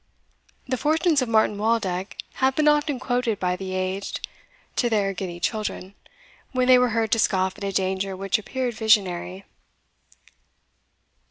The fortunes of Martin Waldeck have been often quoted by the aged to their giddy children, when they were heard to scoff at a danger which appeared visionary.